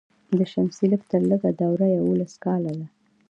د شمسي لږ تر لږه دوره یوولس کاله ده.